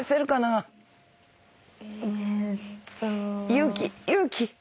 勇気勇気！